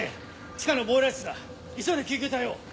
地下のボイラー室だ急いで救急隊を！